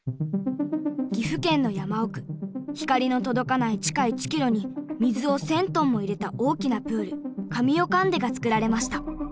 岐阜県の山奥光の届かない地下１キロに水を１，０００トンも入れた大きなプールカミオカンデがつくられました。